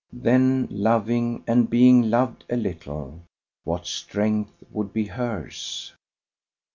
Then, loving and being loved a little, what strength would be hers!